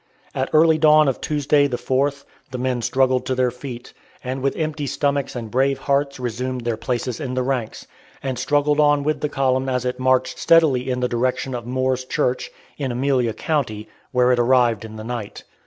At early dawn of Tuesday, the 4th, the men struggled to their feet, and with empty stomachs and brave hearts resumed their places in the ranks, and struggled on with the column as it marched steadily in the direction of Moore's Church, in Amelia County, where it arrived in the night.